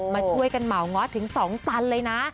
มาช่วยกันเหมาง้อถึง๒ตันเลยนะ